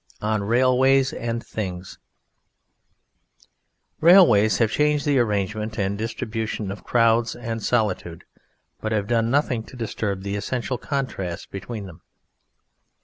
ON RAILWAYS AND THINGS Railways have changed the arrangement and distribution of crowds and solitude, but have done nothing to disturb the essential contrast between them.